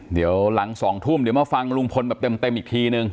เดี๋ยวหลัง๒ทุ่มเดี๋ยวมาฟังลุงพลแบบเต็มอีกทีนึง